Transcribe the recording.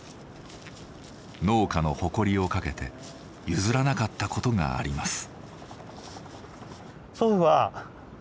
農家の誇りをかけて譲らなかったことがあります。